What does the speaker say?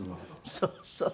そうそう。